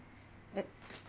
えっ。